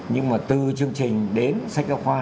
nhưng mà từ chương trình đến sách học khoa